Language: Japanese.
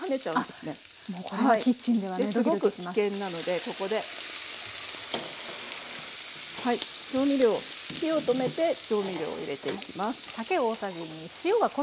すごく危険なのでここで。火を止めて調味料を入れていきます。